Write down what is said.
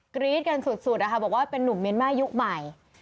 กรี๊ดกันสุดนะคะบอกว่าเป็นนุ่มเมียนมาร์ยุคใหม่